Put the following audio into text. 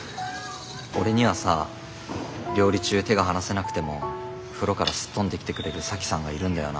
俺にはさ料理中手が離せなくても風呂からすっ飛んできてくれる沙樹さんがいるんだよなあって。